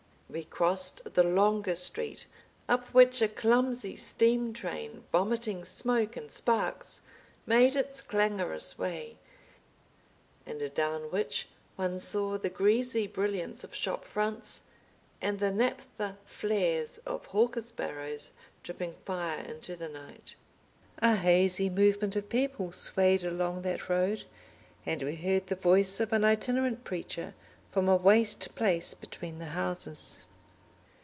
We crossed the longer street, up which a clumsy steam tram, vomiting smoke and sparks, made its clangorous way, and adown which one saw the greasy brilliance of shop fronts and the naphtha flares of hawkers' barrows dripping fire into the night. A hazy movement of people swayed along that road, and we heard the voice of an itinerant preacher from a waste place between the houses.